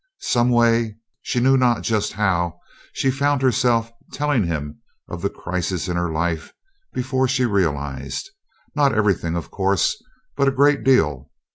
Someway, she knew not just how, she found herself telling him of the crisis in her life before she realized; not everything, of course, but a great deal.